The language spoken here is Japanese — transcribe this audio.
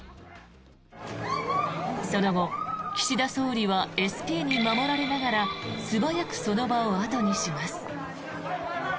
その後、岸田総理はＳＰに守られながら素早くその場を後にします。